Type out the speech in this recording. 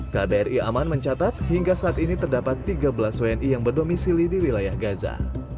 kbri aman mencatat hingga saat ini terdapat tiga belas wni yang berdomisili di wilayah gaza